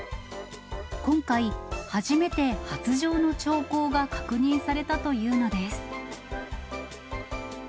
今回、初めて発情の兆候が確認されたというのです。